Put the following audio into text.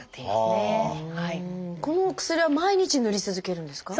この薬は毎日塗り続けるんですか？